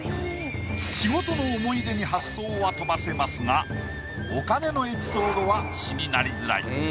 仕事の思い出に発想は飛ばせますがお金のエピソードは詩になりづらい。